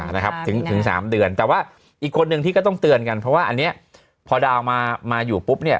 นะครับถึงถึงสามเดือนแต่ว่าอีกคนนึงที่ก็ต้องเตือนกันเพราะว่าอันเนี้ยพอดาวมามาอยู่ปุ๊บเนี่ย